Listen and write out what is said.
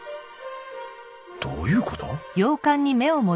どういうこと？